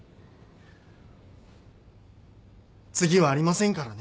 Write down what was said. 次はありませんからね。